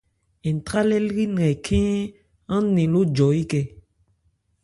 Ntrályɛ lri nkɛ khɛ́n án nɛn ló jɔ ékɛ.